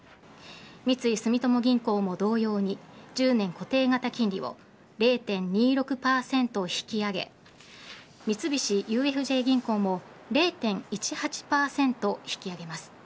三井住友銀行も同様に１０年固定型金利を０．２６％引き上げ三菱ＵＦＪ銀行も０．１８％引き上げます。